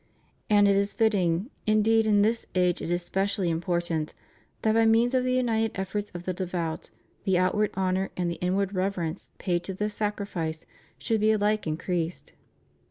And it is fitting, indeed in this age it is specially important, that by means of the united efforts of the devout, the outward honor and the inward reverence paid to this Sacrifice should be alike increased.